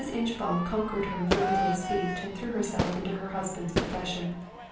Inchbald conquered her infirmity of speech and threw herself into her husband's profession.